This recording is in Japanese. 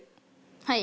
はい。